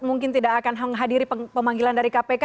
mungkin tidak akan menghadiri pemanggilan dari kpk